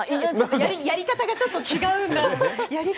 やり方がちょっと違うんだ。